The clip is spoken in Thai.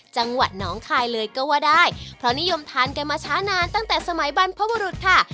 จังหวัดน้องคายเลยก็ว่าได้เพราะนิยมทานกันมาช้านานตั้งแต่สมัยบรรพบุรุษค่ะ